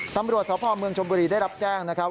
ตำรวจสพเมืองชมบุรีได้รับแจ้งนะครับ